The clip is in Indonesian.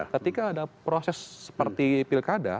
ketika ada proses seperti pilkada